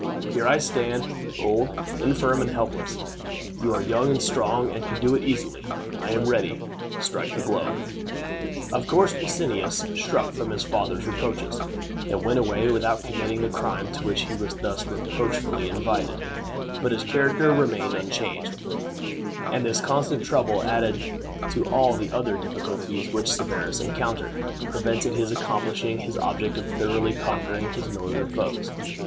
Here I stand, old, infirm, and helpless. You are young and strong, and can do it easily. I am ready. Strike the blow." Of course Bassianus shrunk from his father's reproaches, and went away without committing the crime to which he was thus reproachfully invited; but his character remained unchanged; and this constant trouble, added to all the other difficulties which Severus encountered, prevented his accomplishing his object of thoroughly conquering his northern foes.